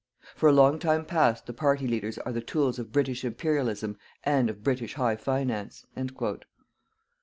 For a long time past the party leaders are the tools of British Imperialism and of_ BRITISH HIGH FINANCE."